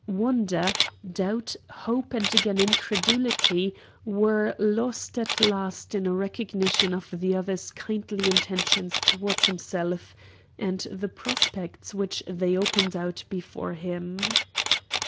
Wonder, doubt, hope, and again incredulity were lost at last in a recognition of the other's kindly intentions toward himself, and the prospects which they opened out before him.